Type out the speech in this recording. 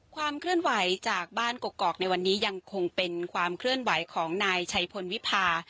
ความเคลื่อนไหวจากบ้านกกอกในวันนี้ยังคงเป็นความเคลื่อนไหวของนายชัยพลวิพา